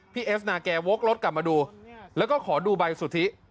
เอฟนาแกวกรถกลับมาดูแล้วก็ขอดูใบสุทธิ